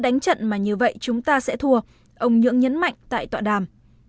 như vậy chúng ta sẽ thua ông nhưỡng nhấn mạnh tại tọa đàm